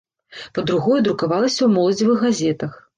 Па-другое, друкавалася ў моладзевых газетах.